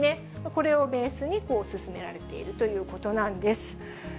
これをベースに進められているということなんです。